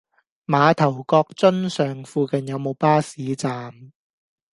馬頭角瑧尚附近有無巴士站？